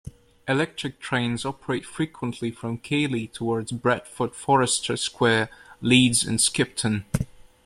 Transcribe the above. Electric trains operate frequently from Keighley towards Bradford Forster Square, Leeds and Skipton.